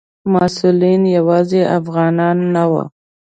مسؤلین یوازې افغانان نه وو.